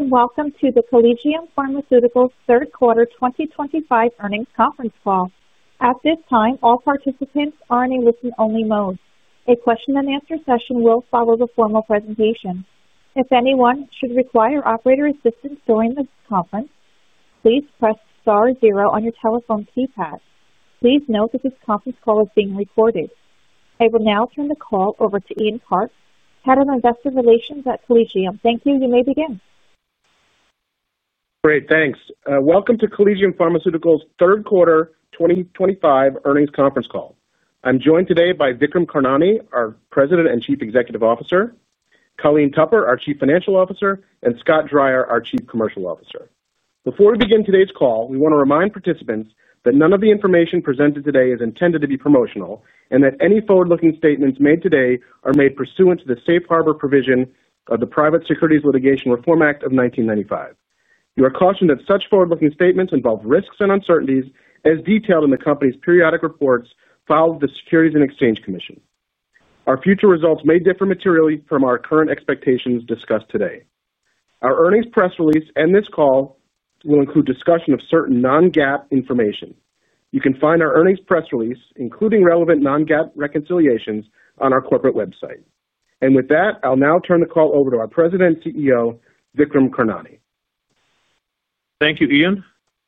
Welcome to the Collegium Pharmaceutical third quarter 2025 earnings conference call. At this time, all participants are in a listen-only mode. A question-and-answer session will follow the formal presentation. If anyone should require operator assistance during this conference, please press star zero on your telephone keypad. Please note that this conference call is being recorded. I will now turn the call over to Ian Park, Head of Investor Relations at Collegium. Thank you. You may begin. Great. Thanks. Welcome to Collegium Pharmaceutical's Third Quarter 2025 Earnings Conference call. I'm joined today by Vikram Karnani, our President and Chief Executive Officer, Colleen Tupper, our Chief Financial Officer, and Scott Dreyer, our Chief Commercial Officer. Before we begin today's call, we want to remind participants that none of the information presented today is intended to be promotional and that any forward-looking statements made today are made pursuant to the Safe Harbor Provision of the Private Securities Litigation Reform Act of 1995. You are cautioned that such forward-looking statements involve risks and uncertainties, as detailed in the Company's periodic reports filed with the Securities and Exchange Commission. Our future results may differ materially from our current expectations discussed today. Our earnings press release and this call will include discussion of certain non-GAAP information. You can find our earnings press release, including relevant non-GAAP reconciliations, on our corporate website. With that, I'll now turn the call over to our President and CEO, Vikram Karnani. Thank you, Ian.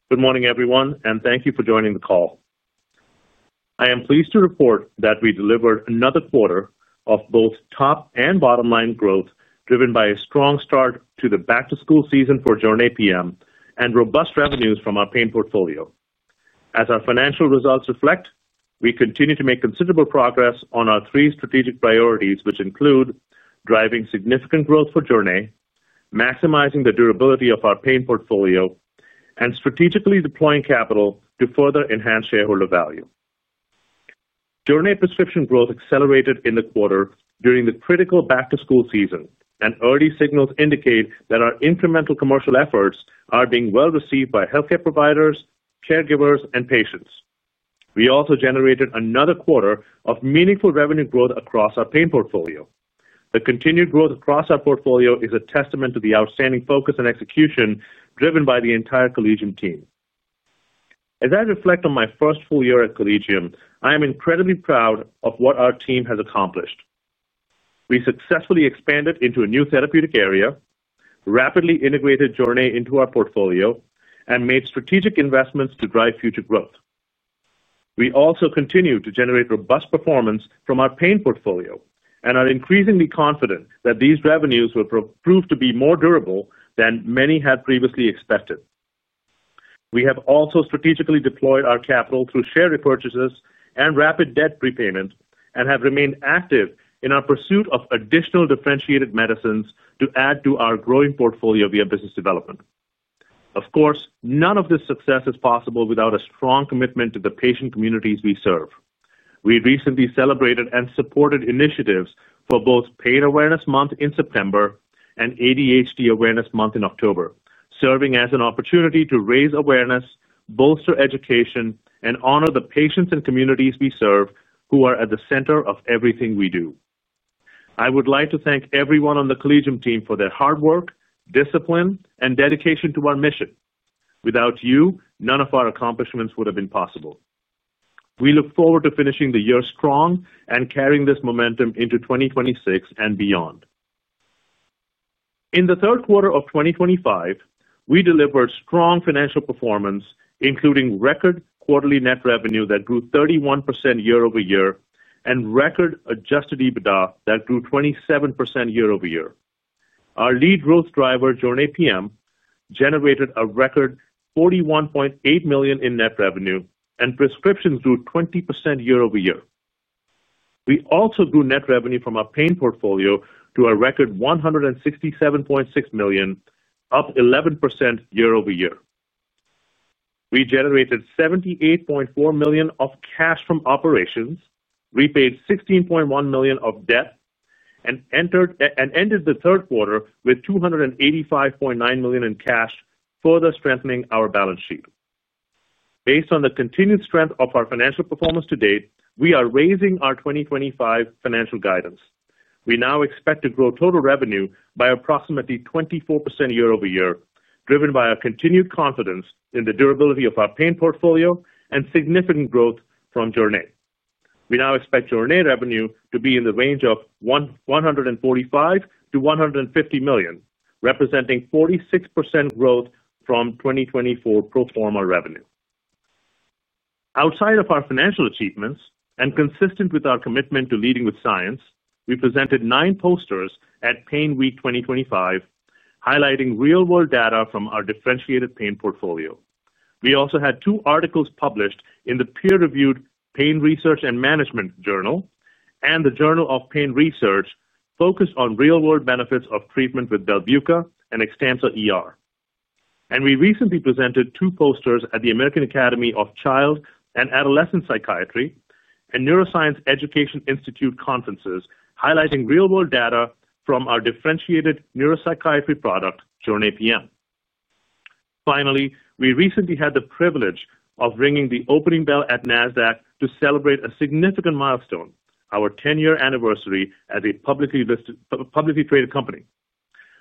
Good morning, everyone, and thank you for joining the call. I am pleased to report that we delivered another quarter of both top and bottom-line growth driven by a strong start to the back-to-school season for Jornay PM and robust revenues from our pain portfolio. As our financial results reflect, we continue to make considerable progress on our three strategic priorities, which include driving significant growth for Jornay, maximizing the durability of our pain portfolio, and strategically deploying capital to further enhance shareholder value. Jornay prescription growth accelerated in the quarter during the critical back-to-school season, and early signals indicate that our incremental commercial efforts are being well received by healthcare providers, caregivers, and patients. We also generated another quarter of meaningful revenue growth across our pain portfolio. The continued growth across our portfolio is a testament to the outstanding focus and execution driven by the entire Collegium team. As I reflect on my first full year at Collegium, I am incredibly proud of what our team has accomplished. We successfully expanded into a new therapeutic area, rapidly integrated Jornay into our portfolio, and made strategic investments to drive future growth. We also continue to generate robust performance from our pain portfolio and are increasingly confident that these revenues will prove to be more durable than many had previously expected. We have also strategically deployed our capital through share repurchases and rapid debt repayment and have remained active in our pursuit of additional differentiated medicines to add to our growing portfolio via business development. Of course, none of this success is possible without a strong commitment to the patient communities we serve. We recently celebrated and supported initiatives for both Pain Awareness Month in September and ADHD Awareness Month in October, serving as an opportunity to raise awareness, bolster education, and honor the patients and communities we serve who are at the center of everything we do. I would like to thank everyone on the Collegium team for their hard work, discipline, and dedication to our mission. Without you, none of our accomplishments would have been possible. We look forward to finishing the year strong and carrying this momentum into 2026 and beyond. In the third quarter of 2025, we delivered strong financial performance, including record quarterly net revenue that grew 31% year-over-year and record adjusted EBITDA that grew 27% year-over-year. Our lead growth driver, Jornay PM, generated a record $41.8 million in net revenue, and prescriptions grew 20% year-over-year. We also grew net revenue from our pain portfolio to a record $167.6 million, up 11% year-over-year. We generated $78.4 million of cash from operations, repaid $16.1 million of debt, and ended the third quarter with $285.9 million in cash, further strengthening our balance sheet. Based on the continued strength of our financial performance to date, we are raising our 2025 financial guidance. We now expect to grow total revenue by approximately 24% year-over-year, driven by our continued confidence in the durability of our pain portfolio and significant growth from Jornay. We now expect Jornay revenue to be in the range of $145–$150 million, representing 46% growth from 2024 pro forma revenue. Outside of our financial achievements and consistent with our commitment to leading with science, we presented nine posters at PAINWeek 2025, highlighting real-world data from our differentiated pain portfolio. We also had two articles published in the peer-reviewed Pain Research & Management Journal and the Journal of Pain Research, focused on real-world benefits of treatment with Belbuca and Xtampza. We recently presented two posters at the American Academy of Child and Adolescent Psychiatry and Neuroscience Education Institute conferences, highlighting real-world data from our differentiated neuropsychiatry product, Jornay PM. Finally, we recently had the privilege of ringing the opening bell at Nasdaq to celebrate a significant milestone: our 10-year anniversary as a publicly traded company,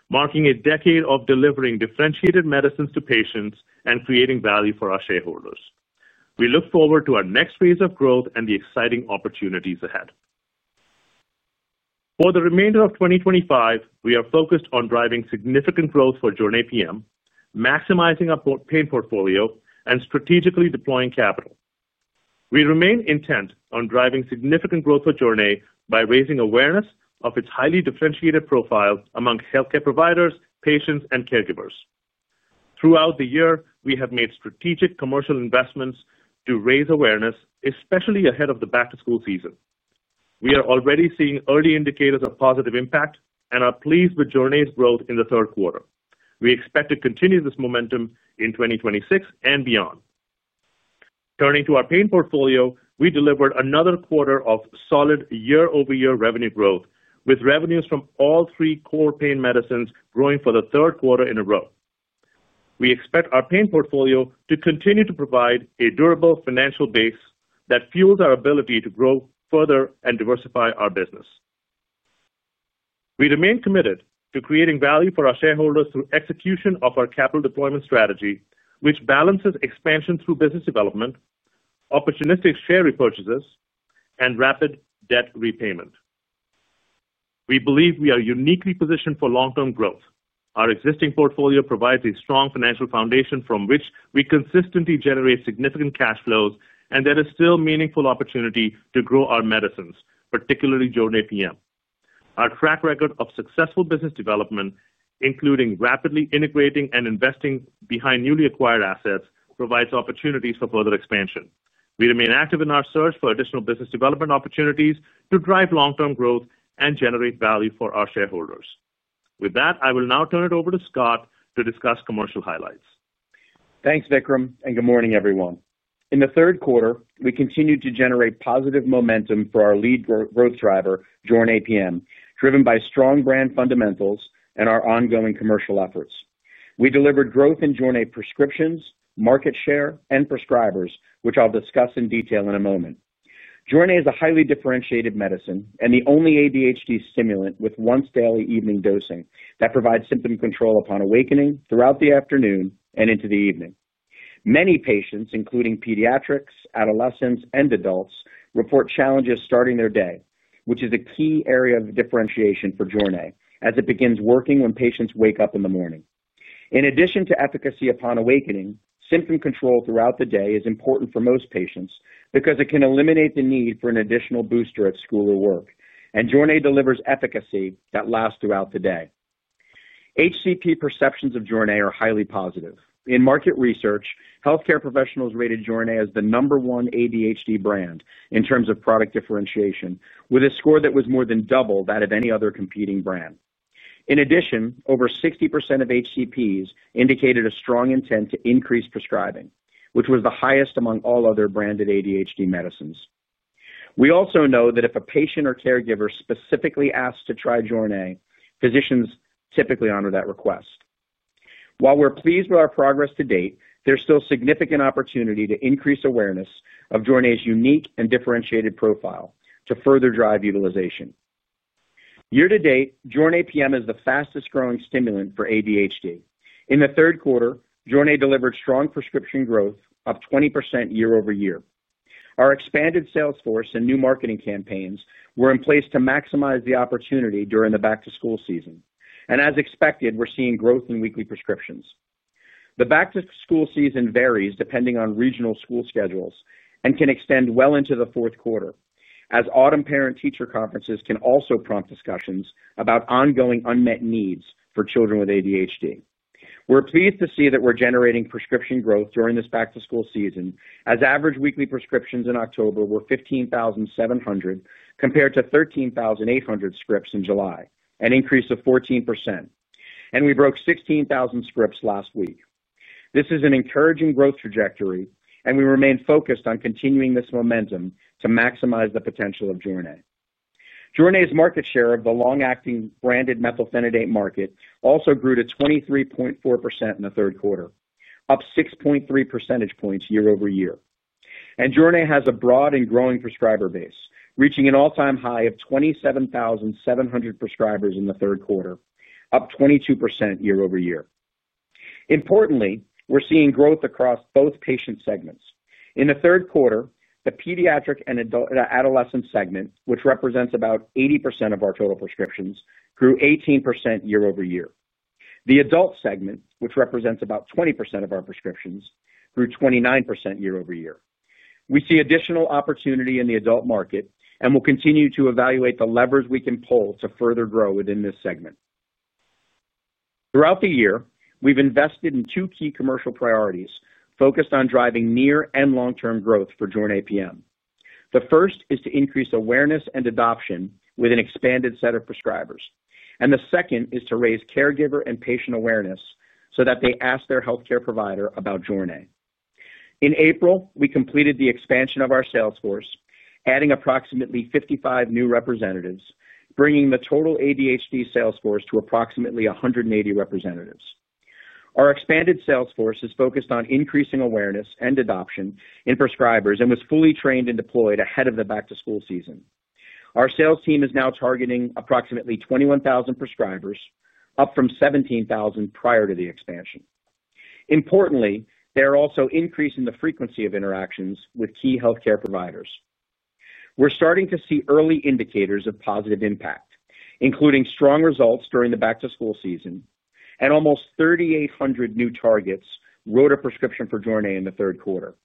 marking a decade of delivering differentiated medicines to patients and creating value for our shareholders. We look forward to our next phase of growth and the exciting opportunities ahead. For the remainder of 2025, we are focused on driving significant growth for Jornay PM, maximizing our pain portfolio, and strategically deploying capital. We remain intent on driving significant growth for Jornay by raising awareness of its highly differentiated profile among healthcare providers, patients, and caregivers. Throughout the year, we have made strategic commercial investments to raise awareness, especially ahead of the back-to-school season. We are already seeing early indicators of positive impact and are pleased with Jornay's growth in the third quarter. We expect to continue this momentum in 2026 and beyond. Turning to our pain portfolio, we delivered another quarter of solid year-over-year revenue growth, with revenues from all three core pain medicines growing for the third quarter in a row. We expect our pain portfolio to continue to provide a durable financial base that fuels our ability to grow further and diversify our business. We remain committed to creating value for our shareholders through execution of our capital deployment strategy, which balances expansion through business development, opportunistic share repurchases, and rapid debt repayment. We believe we are uniquely positioned for long-term growth. Our existing portfolio provides a strong financial foundation from which we consistently generate significant cash flows, and there is still meaningful opportunity to grow our medicines, particularly Jornay PM. Our track record of successful business development, including rapidly integrating and investing behind newly acquired assets, provides opportunities for further expansion. We remain active in our search for additional business development opportunities to drive long-term growth and generate value for our shareholders. With that, I will now turn it over to Scott to discuss commercial highlights. Thanks, Vikram, and good morning, everyone. In the third quarter, we continued to generate positive momentum for our lead growth driver, Jornay PM, driven by strong brand fundamentals and our ongoing commercial efforts. We delivered growth in Jornay prescriptions, market share, and prescribers, which I'll discuss in detail in a moment. Jornay is a highly differentiated medicine and the only ADHD stimulant with once-daily evening dosing that provides symptom control upon awakening, throughout the afternoon, and into the evening. Many patients, including pediatrics, adolescents, and adults, report challenges starting their day, which is a key area of differentiation for Jornay, as it begins working when patients wake up in the morning. In addition to efficacy upon awakening, symptom control throughout the day is important for most patients because it can eliminate the need for an additional booster at school or work, and Jornay delivers efficacy that lasts throughout the day. HCP perceptions of Jornay are highly positive. In market research, healthcare professionals rated Jornay as the number one ADHD brand in terms of product differentiation, with a score that was more than double that of any other competing brand. In addition, over 60% of HCPs indicated a strong intent to increase prescribing, which was the highest among all other branded ADHD medicines. We also know that if a patient or caregiver specifically asks to try Jornay, physicians typically honor that request. While we're pleased with our progress to date, there's still significant opportunity to increase awareness of Jornay's unique and differentiated profile to further drive utilization. Year to date, Jornay PM is the fastest-growing stimulant for ADHD. In the third quarter, Jornay delivered strong prescription growth of 20% year-over-year. Our expanded sales force and new marketing campaigns were in place to maximize the opportunity during the back-to-school season. As expected, we are seeing growth in weekly prescriptions. The back-to-school season varies depending on regional school schedules and can extend well into the fourth quarter, as autumn parent-teacher conferences can also prompt discussions about ongoing unmet needs for children with ADHD. We are pleased to see that we are generating prescription growth during this back-to-school season, as average weekly prescriptions in October were 15,700 compared to 13,800 scripts in July, an increase of 14%. We broke 16,000 scripts last week. This is an encouraging growth trajectory, and we remain focused on continuing this momentum to maximize the potential of Jornay PM. Jornay PM's market share of the long-acting branded methylphenidate market also grew to 23.4% in the third quarter, up 6.3 percentage points year-over-year. Jornay PM has a broad and growing prescriber base, reaching an all-time high of 27,700 prescribers in the third quarter, up 22% year-over-year. Importantly, we're seeing growth across both patient segments. In the third quarter, the pediatric and adolescent segment, which represents about 80% of our total prescriptions, grew 18% year-over-year. The adult segment, which represents about 20% of our prescriptions, grew 29% year-over-year. We see additional opportunity in the adult market and will continue to evaluate the levers we can pull to further grow within this segment. Throughout the year, we've invested in two key commercial priorities focused on driving near and long-term growth for Jornay PM. The first is to increase awareness and adoption with an expanded set of prescribers. The second is to raise caregiver and patient awareness so that they ask their healthcare provider about Jornay. In April, we completed the expansion of our sales force, adding approximately 55 new representatives, bringing the total ADHD sales force to approximately 180 representatives. Our expanded sales force is focused on increasing awareness and adoption in prescribers and was fully trained and deployed ahead of the back-to-school season. Our sales team is now targeting approximately 21,000 prescribers, up from 17,000 prior to the expansion. Importantly, they are also increasing the frequency of interactions with key healthcare providers. We are starting to see early indicators of positive impact, including strong results during the back-to-school season. Almost 3,800 new targets wrote a prescription for Jornay PM in the third quarter.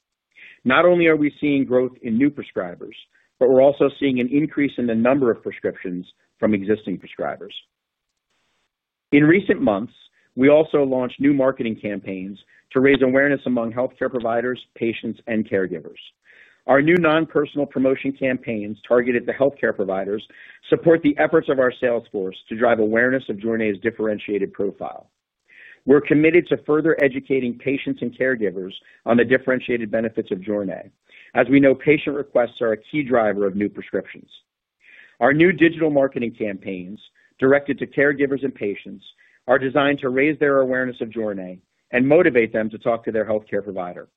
Not only are we seeing growth in new prescribers, but we are also seeing an increase in the number of prescriptions from existing prescribers. In recent months, we also launched new marketing campaigns to raise awareness among healthcare providers, patients, and caregivers. Our new non-personal promotion campaigns targeted to healthcare providers support the efforts of our sales force to drive awareness of Jornay PM's differentiated profile. We're committed to further educating patients and caregivers on the differentiated benefits of Jornay, as we know patient requests are a key driver of new prescriptions. Our new digital marketing campaigns, directed to caregivers and patients, are designed to raise their awareness of Jornay and motivate them to talk to their healthcare provider.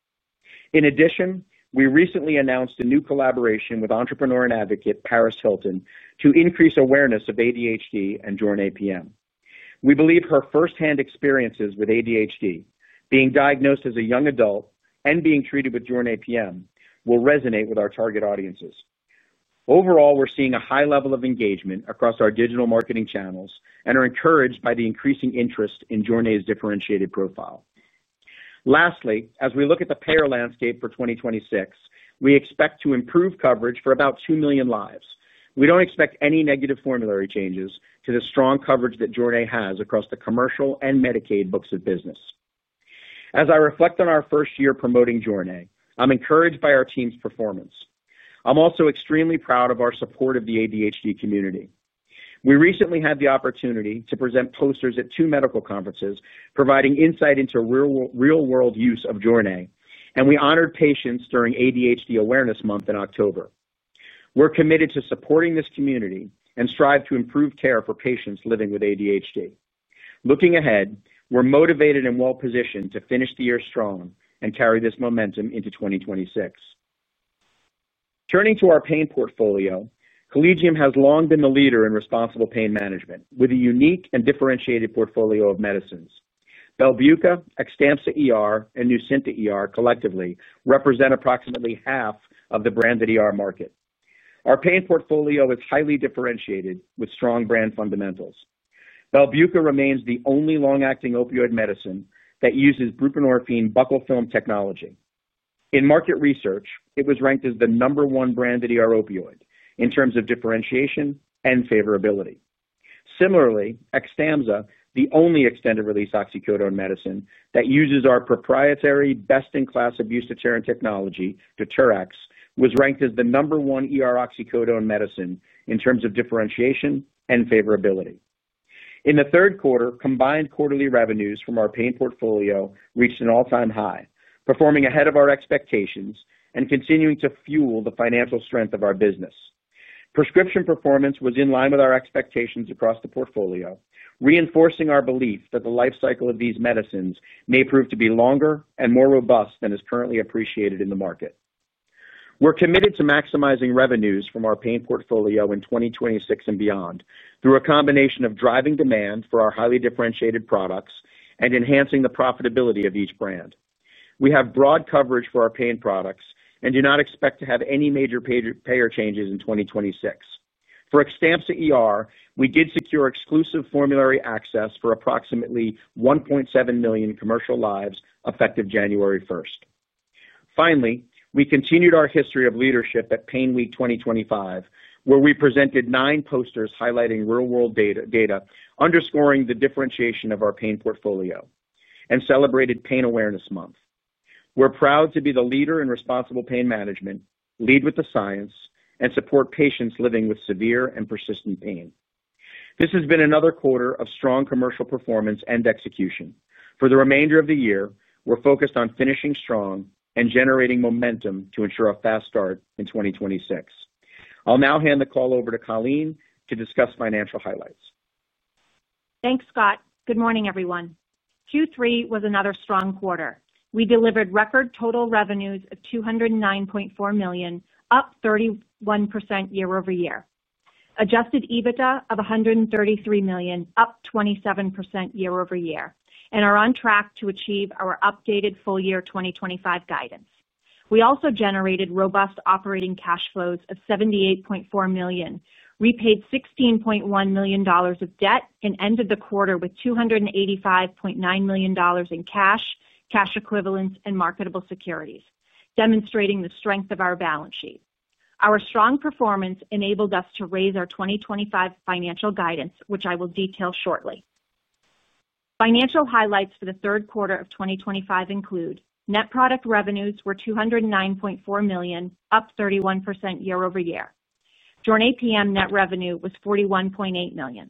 In addition, we recently announced a new collaboration with entrepreneur and advocate Paris Hilton to increase awareness of ADHD and Jornay PM. We believe her firsthand experiences with ADHD, being diagnosed as a young adult, and being treated with Jornay PM will resonate with our target audiences. Overall, we're seeing a high level of engagement across our digital marketing channels and are encouraged by the increasing interest in Jornay's differentiated profile. Lastly, as we look at the payer landscape for 2026, we expect to improve coverage for about 2 million lives. We don't expect any negative formulary changes to the strong coverage that Jornay has across the commercial and Medicaid books of business. As I reflect on our first year promoting Jornay, I'm encouraged by our team's performance. I'm also extremely proud of our support of the ADHD community. We recently had the opportunity to present posters at two medical conferences providing insight into real-world use of Jornay, and we honored patients during ADHD Awareness Month in October. We're committed to supporting this community and strive to improve care for patients living with ADHD. Looking ahead, we're motivated and well-positioned to finish the year strong and carry this momentum into 2026. Turning to our pain portfolio, Collegium has long been the leader in responsible pain management with a unique and differentiated portfolio of medicines. Belbuca, Xtampza and Nucynta collectively represent approximately half of the branded market. Our pain portfolio is highly differentiated with strong brand fundamentals. Belbuca remains the only long-acting opioid medicine that uses buprenorphine buccal film technology. In market research, it was ranked as the number one branded opioid in terms of differentiation and favorability. Similarly, Xtampza, the only extended-release oxycodone medicine that uses our proprietary best-in-class abuse deterrent technology, DETERx, was ranked as the number one oxycodone medicine in terms of differentiation and favorability. In the third quarter, combined quarterly revenues from our pain portfolio reached an all-time high, performing ahead of our expectations and continuing to fuel the financial strength of our business. Prescription performance was in line with our expectations across the portfolio, reinforcing our belief that the life cycle of these medicines may prove to be longer and more robust than is currently appreciated in the market. We're committed to maximizing revenues from our pain portfolio in 2026 and beyond through a combination of driving demand for our highly differentiated products and enhancing the profitability of each brand. We have broad coverage for our pain products and do not expect to have any major payer changes in 2026. For Xtampza we did secure exclusive formulary access for approximately 1.7 million commercial lives effective January first. Finally, we continued our history of leadership at PAINWeek 2025, where we presented nine posters highlighting real-world data, underscoring the differentiation of our pain portfolio, and celebrated Pain Awareness Month. We're proud to be the leader in responsible pain management, lead with the science, and support patients living with severe and persistent pain. This has been another quarter of strong commercial performance and execution. For the remainder of the year, we're focused on finishing strong and generating momentum to ensure a fast start in 2026. I'll now hand the call over to Colleen to discuss financial highlights. Thanks, Scott. Good morning, everyone. Q3 was another strong quarter. We delivered record total revenues of $209.4 million, up 31% year-over-year. Adjusted EBITDA of $133 million, up 27% year-over-year, and are on track to achieve our updated full-year 2025 guidance. We also generated robust operating cash flows of $78.4 million, repaid $16.1 million of debt, and ended the quarter with $285.9 million in cash, cash equivalents, and marketable securities, demonstrating the strength of our balance sheet. Our strong performance enabled us to raise our 2025 financial guidance, which I will detail shortly. Financial highlights for the third quarter of 2025 include: net product revenues were $209.4 million, up 31% year-over-year. Jornay PM net revenue was $41.8 million.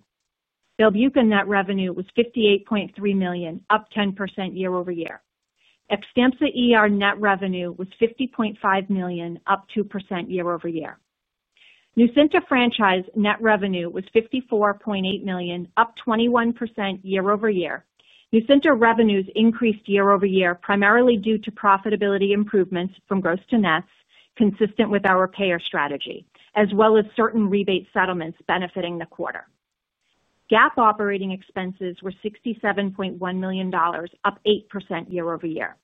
Belbuca net revenue was $58.3 million, up 10% year-over-year. Xtampza net revenue was $50.5 million, up 2% year-over-year. Nucynta franchise net revenue was $54.8 million, up 21% year-over-year. Nucynta revenues increased year-over-year primarily due to profitability improvements from gross-to-nets, consistent with our payer strategy, as well as certain rebate settlements benefiting the quarter. GAAP operating expenses were $67.1 million, up 8% year-over-year.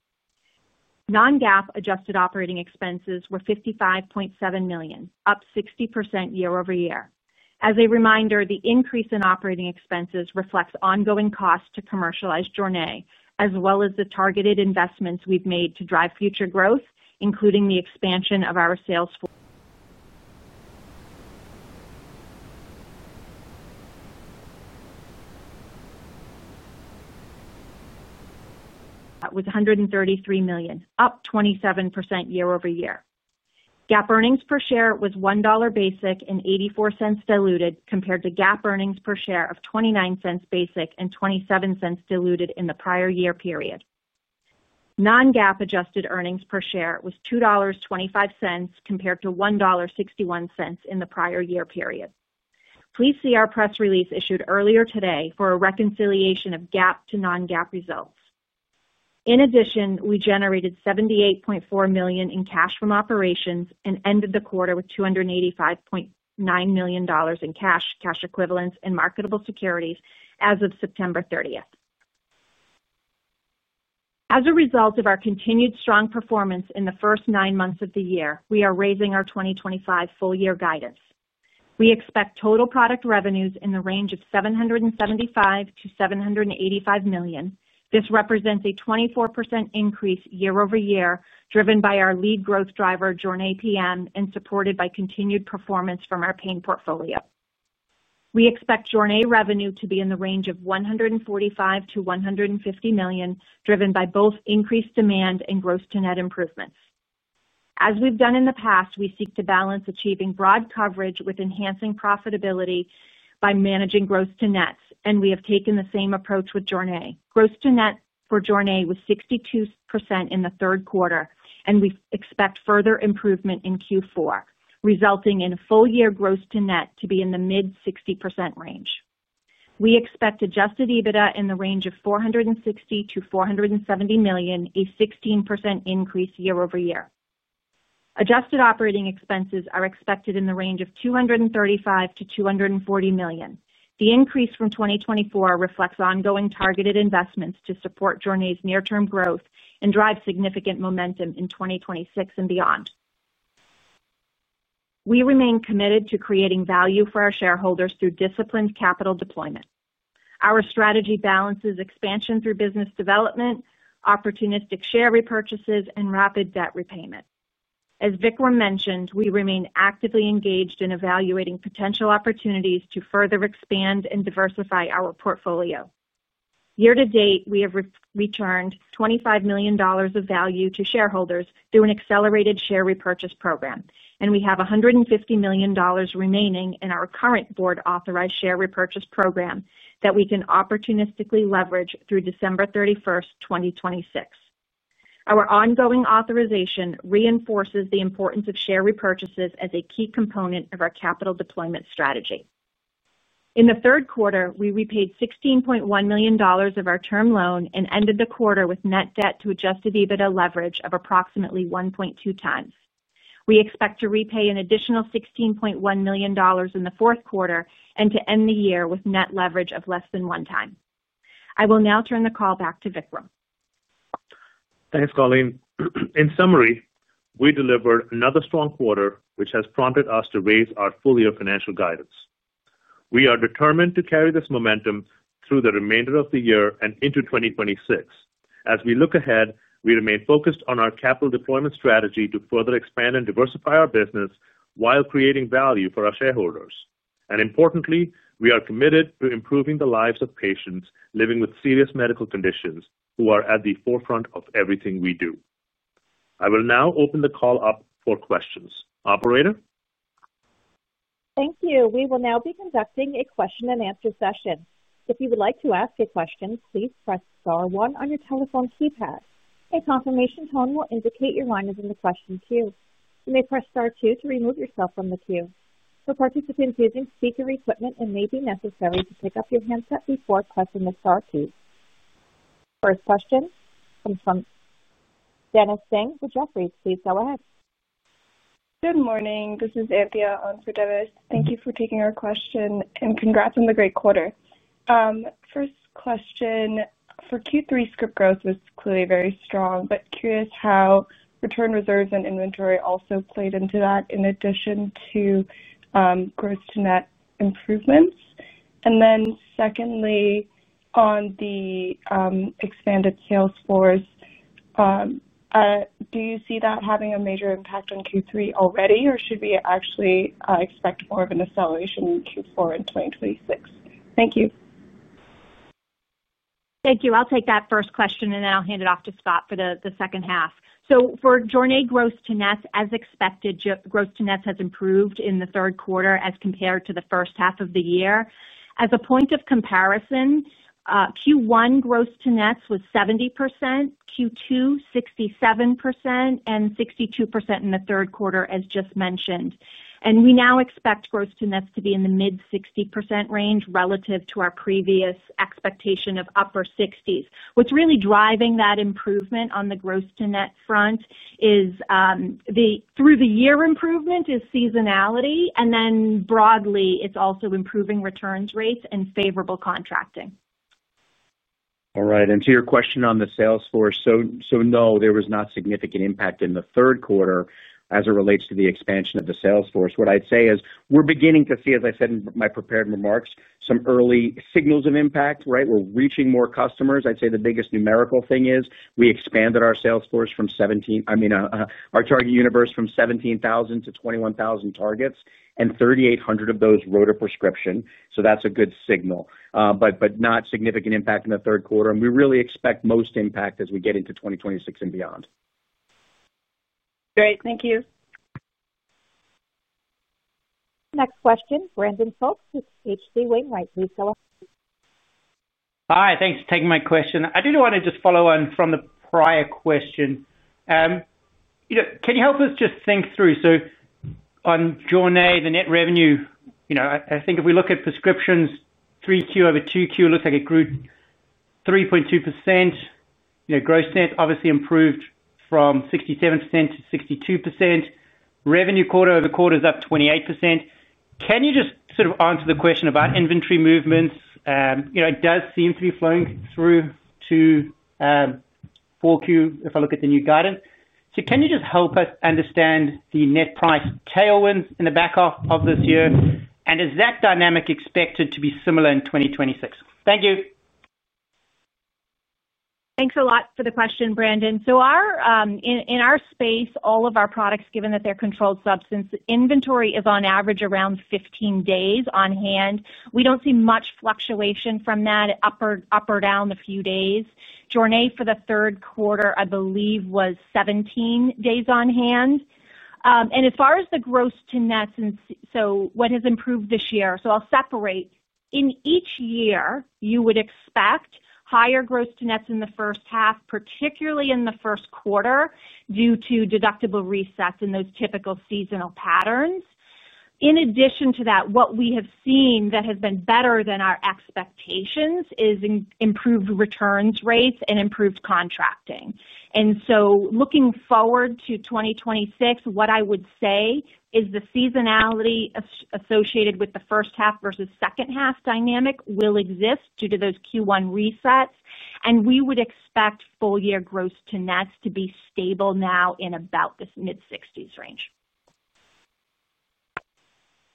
Non-GAAP adjusted operating expenses were $55.7 million, up 60% year-over-year. As a reminder, the increase in operating expenses reflects ongoing costs to commercialize Jornay, as well as the targeted investments we've made to drive future growth, including the expansion of our sales force. Adjusted EBITDA was $133 million, up 27% year-over-year. GAAP earnings per share was $1.00 basic and $0.84 diluted compared to GAAP earnings per share of $0.29 basic and $0.27 diluted in the prior year period. Non-GAAP adjusted earnings per share was $2.25 compared to $1.61 in the prior-year period. Please see our press release issued earlier today for a reconciliation of GAAP to non-GAAP results. In addition, we generated $78.4 million in cash from operations and ended the quarter with $285.9 million in cash, cash equivalents, and marketable securities as of September 30th. As a result of our continued strong performance in the first nine months of the year, we are raising our 2025 full-year guidance. We expect total product revenues in the range of $775 million–$785 million. This represents a 24% increase year-over-year driven by our lead growth driver, Jornay PM, and supported by continued performance from our pain portfolio. We expect Jornay revenue to be in the range of $145 million–$150 million, driven by both increased demand and gross-to-net improvements. As we've done in the past, we seek to balance achieving broad coverage with enhancing profitability by managing gross-to-nets, and we have taken the same approach with Jornay. Gross-to-net for Jornay was 62% in the third quarter, and we expect further improvement in Q4, resulting in full-year gross-to-net to be in the mid-60% range. We expect adjusted EBITDA in the range of $460–$470 million, a 16% increase year-over-year. Adjusted operating expenses are expected in the range of $235–$240 million. The increase from 2024 reflects ongoing targeted investments to support Jornay's near-term growth and drive significant momentum in 2026 and beyond. We remain committed to creating value for our shareholders through disciplined capital deployment. Our strategy balances expansion through business development, opportunistic share repurchases, and rapid debt repayment. As Vikram mentioned, we remain actively engaged in evaluating potential opportunities to further expand and diversify our portfolio. Year-to-date, we have returned $25 million of value to shareholders through an accelerated share repurchase program, and we have $150 million remaining in our current board-authorized share repurchase program that we can opportunistically leverage through December 31, 2026. Our ongoing authorization reinforces the importance of share repurchases as a key component of our capital deployment strategy. In the third quarter, we repaid $16.1 million of our term loan and ended the quarter with net debt-to-adjusted EBITDA leverage of approximately 1.2x. We expect to repay an additional $16.1 million in the fourth quarter and to end the year with net leverage of less than one time. I will now turn the call back to Vikram. Thanks, Colleen. In summary, we delivered another strong quarter, which has prompted us to raise our full-year financial guidance. We are determined to carry this momentum through the remainder of the year and into 2026. As we look ahead, we remain focused on our capital deployment strategy to further expand and diversify our business while creating value for our shareholders. Importantly, we are committed to improving the lives of patients living with serious medical conditions who are at the forefront of everything we do. I will now open the call up for questions. Operator? Thank you. We will now be conducting a question-and-answer session. If you would like to ask a question, please press star one on your telephone keypad. A confirmation tone will indicate your line is in the question queue. You may press star two to remove yourself from the queue. For participants using speaker equipment, it may be necessary to pick up your handset before pressing the star two. First question comes from Dennis Singh with Jefferies. Please go ahead. Good morning. This is Anthea on for Device. Thank you for taking our question, and congrats on the great quarter. First question: for Q3, script growth was clearly very strong, but curious how return reserves and inventory also played into that in addition to gross-to-net improvements. Then secondly, on the expanded sales force, do you see that having a major impact on Q3 already, or should we actually expect more of an acceleration in Q4 in 2026? Thank you. Thank you. I'll take that first question, and then I'll hand it off to Scott for the second half. For Jornay gross-to-net, as expected, gross-to-net has improved in the third quarter as compared to the first half of the year. As a point of comparison, Q1 gross-to-net was 70%, Q2 67%, and 62% in the third quarter, as just mentioned. We now expect gross-to-net to be in the mid-60% range relative to our previous expectation of upper 60s. What's really driving that improvement on the gross-to-net front is, through the year, improvement in seasonality, and then broadly, it's also improving returns rates and favorable contracting. All right. To your question on the sales force, no, there was not significant impact in the third quarter as it relates to the expansion of the sales force. What I'd say is we're beginning to see, as I said in my prepared remarks, some early signals of impact, right? We're reaching more customers. I'd say the biggest numerical thing is we expanded our sales force from 17—I mean, our target universe from 17,000–21,000 targets, and 3,800 of those wrote a prescription. That is a good signal, but not significant impact in the third quarter. We really expect most impact as we get into 2026 and beyond. Great. Thank you. Next question, Brandon Phelps with H.C. Wainwright. Right, please go ahead. Hi. Thanks for taking my question. I do want to just follow on from the prior question. Can you help us just think through? On Jornay, the net revenue, I think if we look at prescriptions, 3Q over 2Q looks like it grew 3.2%. Gross to net obviously improved from 67%–62%. Revenue quarter-over-quarter is up 28%. Can you just sort of answer the question about inventory movements? It does seem to be flowing through to 4Q if I look at the new guidance. Can you just help us understand the net price tailwinds in the back half of this year? Is that dynamic expected to be similar in 2026? Thank you. Thanks a lot for the question, Brandon. In our space, all of our products, given that they're controlled substance, inventory is on average around 15 days on hand. We do not see much fluctuation from that, up or down a few days. Jornay for the third quarter, I believe, was 17 days on hand. As far as the gross-to-nets and what has improved this year, I will separate. In each year, you would expect higher gross-to-nets in the first half, particularly in the first quarter, due to deductible resets and those typical seasonal patterns. In addition to that, what we have seen that has been better than our expectations is improved returns rates and improved contracting. Looking forward to 2026, what I would say is the seasonality associated with the first half versus second half dynamic will exist due to those Q1 resets. We would expect full-year gross-to-nets to be stable now in about this mid-60s range.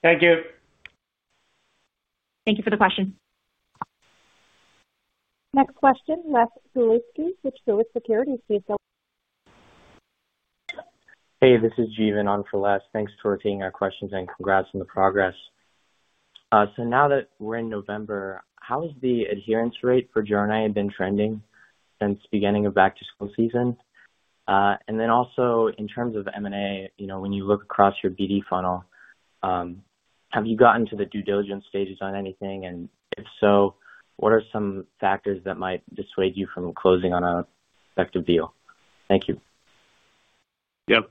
Thank you. Thank you for the question. Next question, Les Zielowski with Hewlett Securities. Hey, this is Jevon on for Les. Thanks for taking our questions and congrats on the progress. Now that we're in November, how has the adherence rate for Jornay been trending since the beginning of back-to-school season? Also, in terms of M&A, when you look across your BD funnel, have you gotten to the due diligence stages on anything? If so, what are some factors that might dissuade you from closing on an effective deal? Thank you. Yep.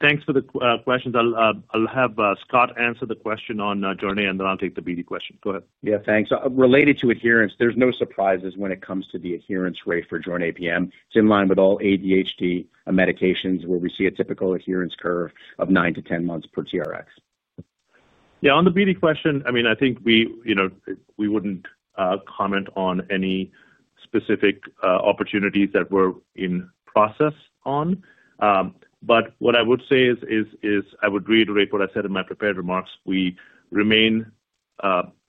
Thanks for the questions. I'll have Scott answer the question on Jornay, and then I'll take the BD question. Go ahead. Yeah, thanks. Related to adherence, there's no surprises when it comes to the adherence rate for Jornay PM. It's in line with all ADHD medications where we see a typical adherence curve of nine to ten months per TRX. Yeah. On the BD question, I mean, I think we wouldn't comment on any specific opportunities that we're in process on. What I would say is, I would reiterate what I said in my prepared remarks. We remain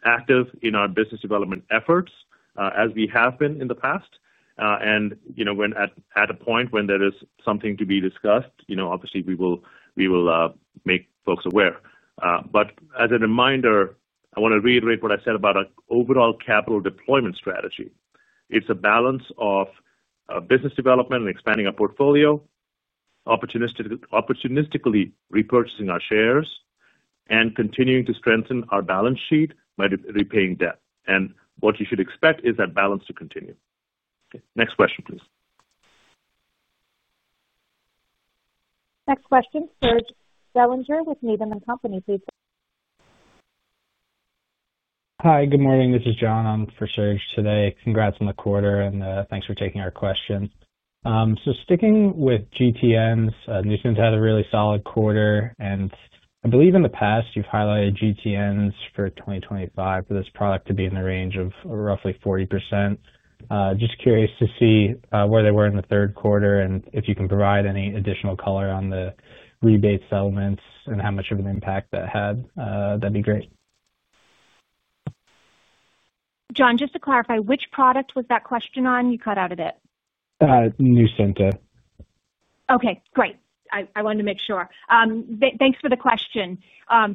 active in our business development efforts as we have been in the past. At a point when there is something to be discussed, obviously, we will make folks aware. As a reminder, I want to reiterate what I said about our overall capital deployment strategy. It's a balance of business development and expanding our portfolio, opportunistically repurchasing our shares, and continuing to strengthen our balance sheet by repaying debt. What you should expect is that balance to continue. Next question, please. Next question, Serge Bellinger with Needham & Company, please. Hi, good morning. This is John on for Serge today. Congrats on the quarter, and thanks for taking our questions. Sticking with GTNs, Nucynta had a really solid quarter. I believe in the past, you've highlighted GTNs for 2025 for this product to be in the range of roughly 40%. Just curious to see where they were in the third quarter and if you can provide any additional color on the rebate settlements and how much of an impact that had. That'd be great. John, just to clarify, which product was that question on? You cut out a bit. Nucynta. Okay. Great. I wanted to make sure. Thanks for the question.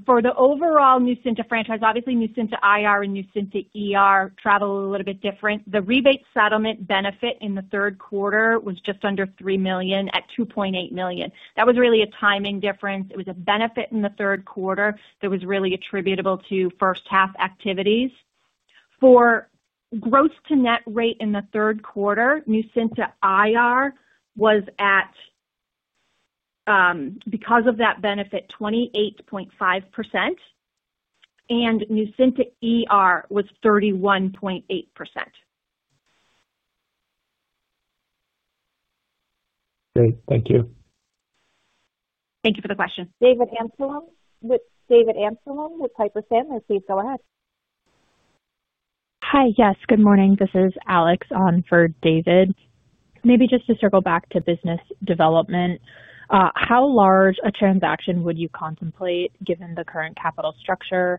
For the overall Nucynta franchise, obviously, Nucynta IR and Nucynta travel a little bit different. The rebate settlement benefit in the third quarter was just under $3 million at $2.8 million. That was really a timing difference. It was a benefit in the third quarter that was really attributable to first-half activities. For gross-to-net rate in the third quarter, Nucynta IR was, because of that benefit, 28.5%. And Nucynta ER was 31.8%. Great. Thank you. Thank you for the question. David Anselm with Piper Sandler, please go ahead. Hi, yes. Good morning. This is Alex on for David. Maybe just to circle back to business development. How large a transaction would you contemplate given the current capital structure,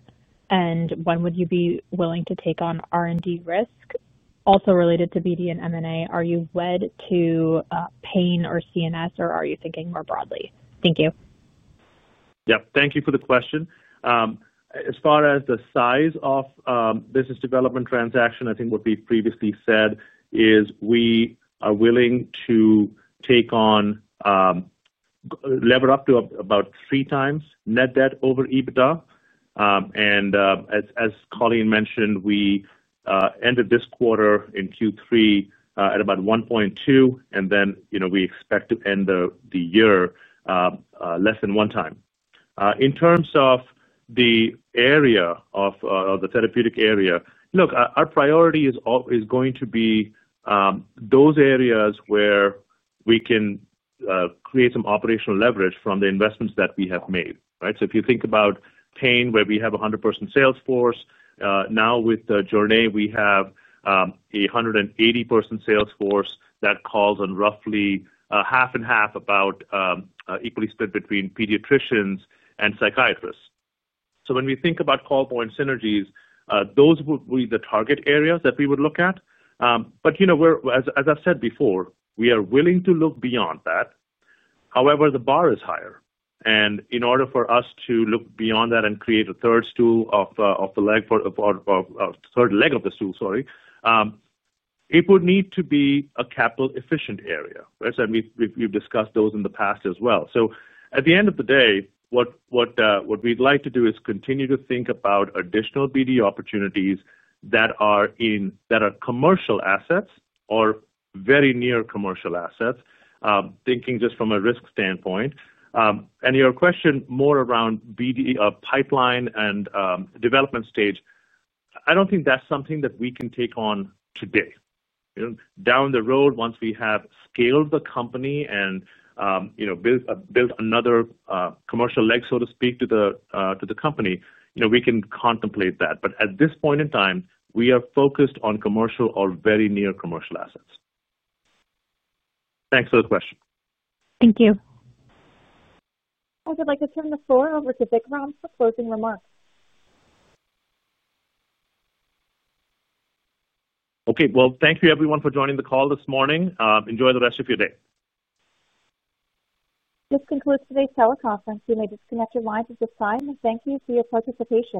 and when would you be willing to take on R&D risk? Also related to BD and M&A, are you wed to pain or CNS, or are you thinking more broadly? Thank you. Yep. Thank you for the question. As far as the size of business development transaction, I think what we previously said is we are willing to take on, lever up to about three times net debt over EBITDA. And as Colleen mentioned, we ended this quarter in Q3 at about 1.2x, and then we expect to end the year less than one time. In terms of the therapeutic area, look, our priority is going to be those areas where we can create some operational leverage from the investments that we have made, right? If you think about pain, where we have a 100-person sales force, now with Jornay, we have a 180-person sales force that calls on roughly half and half, about equally split between pediatricians and psychiatrists. When we think about call-point synergies, those would be the target areas that we would look at. As I've said before, we are willing to look beyond that. However, the bar is higher. In order for us to look beyond that and create a third leg of the stool, sorry, it would need to be a capital-efficient area, right? We have discussed those in the past as well. At the end of the day, what we'd like to do is continue to think about additional BD opportunities that are commercial assets or very near commercial assets, thinking just from a risk standpoint. Your question more around pipeline and development stage, I do not think that's something that we can take on today. Down the road, once we have scaled the company and built another commercial leg, so to speak, to the company, we can contemplate that. At this point in time, we are focused on commercial or very near commercial assets. Thanks for the question. Thank you. I would like to turn the floor over to Vikram for closing remarks. Okay. Thank you, everyone, for joining the call this morning. Enjoy the rest of your day. This concludes today's teleconference. You may disconnect your lines at this time. Thank you for your participation.